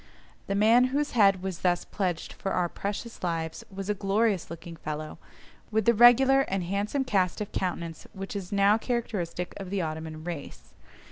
The man whose head was thus pledged for our precious lives was a glorious looking fellow, with the regular and handsome cast of countenance which is now characteristic of the Ottoman race.